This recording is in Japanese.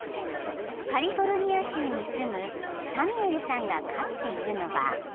カリフォルニア州に住むサミュエルさんが飼っているのは］